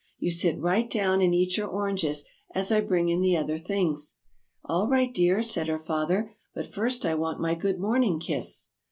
"You sit right down and eat your oranges, as I bring in the other things." "All right, dear," said her father; "but first I want my good morning kiss."